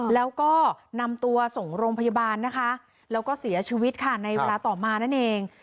แล้วก็นำตัวส่งโรงพยาบาลนะคะแล้วก็เสียชีวิตค่ะในเวลาต่อมานั่นเอง